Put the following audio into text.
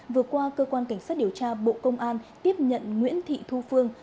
vừa qua cơ quan cảnh sát điều tra bộ công an tiếp nhận nguyễn thị thu phương